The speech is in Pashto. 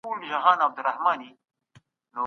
حقوقپوهان کله نړیوالي شخړي پای ته رسوي؟